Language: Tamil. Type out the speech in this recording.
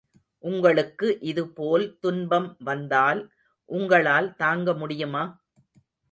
உங்களுக்கு இது போல் துன்பம் வந்தால் உங்களால் தாங்க முடியுமா?